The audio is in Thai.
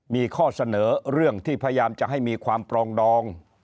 มีข้อเสนอเรื่องที่พยายามจะให้มีความปรองดอง